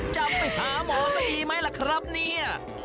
จะไปหาหมอซะดีไหมล่ะครับเนี่ย